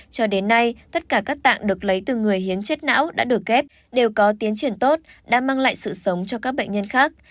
cho đến nay tất cả các tạng được lấy từ người hiến chết não đã được ghép đều có tiến triển tốt đã mang lại sự sống cho các bệnh nhân khác